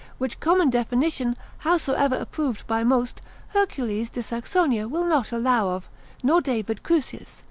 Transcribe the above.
which common definition, howsoever approved by most, Hercules de Saxonia will not allow of, nor David Crucius, Theat.